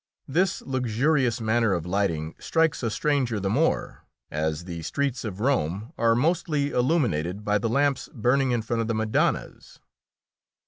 This luxurious manner of lighting strikes a stranger the more as the streets of Rome are mostly illuminated by the lamps burning in front of the Madonnas.